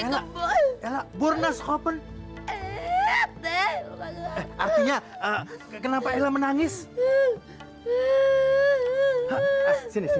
kebun rambutnya kebun burnas open artinya kenapa elah menangis